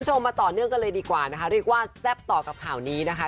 มาต่อเนื่องกันเลยดีกว่านะคะเรียกว่าแซ่บต่อกับข่าวนี้นะคะ